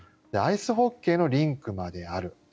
アイスホッケーのリンクまである。